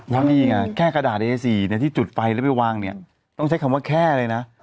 แล้วนี่ไงแค่กระดาษเอสีที่จุดไฟแล้วไปวางเนี่ยต้องใช้คำว่าแค่เลยนะ